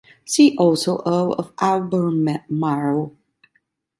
See also Earl of Albemarle.